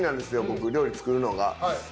僕料理作るのが。